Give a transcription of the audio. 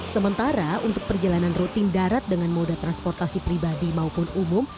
sementara untuk perjalanan rutin darat dengan moda transportasi pribadi maupun umum